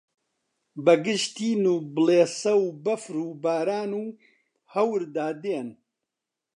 بەگژ تین و بڵێسە و بەفر و باران و هەوردا دێن